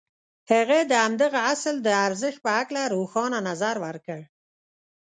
هغه د همدغه اصل د ارزښت په هکله روښانه نظر ورکړ.